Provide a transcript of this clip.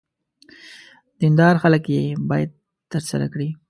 دیندار خلک یې باید ترسره کړي.